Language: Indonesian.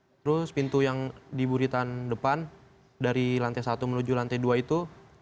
terus pintu yang di buritan depan dari lantai satu menuju lantai dua itu